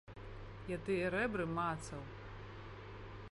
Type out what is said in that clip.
Я тыя рэбры мацаў.